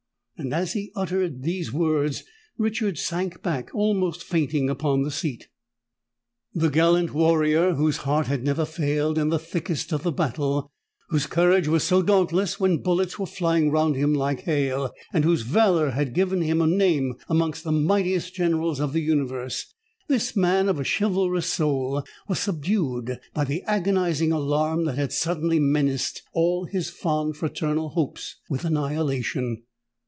And as he uttered these words, Richard sank back almost fainting upon the seat. The gallant warrior, whose heart had never failed in the thickest of the battle—whose courage was so dauntless when bullets were flying round him like hail—and whose valour had given him a name amongst the mightiest generals of the universe,—this man of a chivalrous soul was subdued by the agonising alarm that had suddenly menaced all his fond fraternal hopes with annihilation!